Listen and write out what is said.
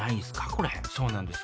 これそうなんです。